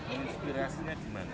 inspirasinya di mana